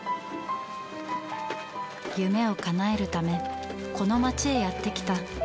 夢をかなえるためこの町へやってきた。